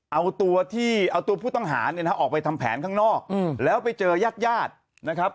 เอาตัวที่เอาตัวผู้ต้องหาเนี่ยนะออกไปทำแผนข้างนอกแล้วไปเจอยาดนะครับ